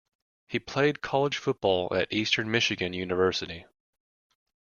He played college football at Eastern Michigan University.